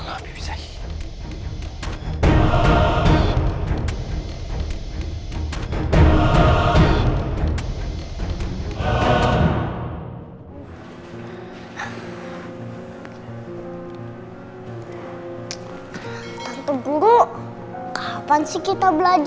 oh enggak abi bisa